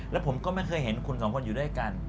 แล้วผมก็ไม่เคยเห็นคุณสองคนอยู่ด้วยกัน